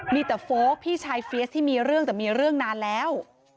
มีแต่โฟลกพี่ชายเฟียสที่มีเรื่องแต่มีเรื่องนานแล้ว